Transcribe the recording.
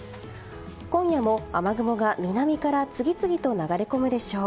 今夜も雨雲が南から次々と流れ込むでしょう。